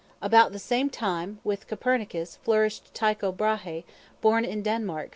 About the same time with Copernicus flourished Tycho Brahe, born in Denmark, 1546.